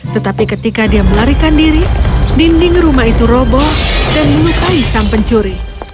tetapi ketika dia melarikan diri dinding rumah itu robo dan melukai sang pencuri